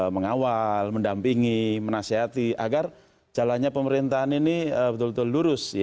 mengawal mendampingi menasihati agar jalannya pemerintahan ini betul betul lurus